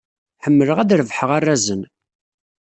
Ḥemmleɣ ad d-rebḥeɣ arrazen.